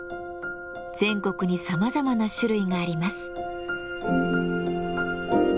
全国にさまざまな種類があります。